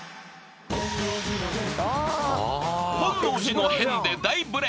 ［『本能寺の変』で大ブレーク］